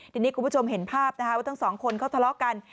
ทีนี้คุณผู้ชมเห็นภาพนะคะว่าทั้งสองคนเขาทะเลาะกัน